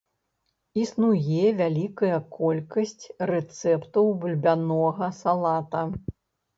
Існуе вялікая колькасць рэцэптаў бульбянога салата.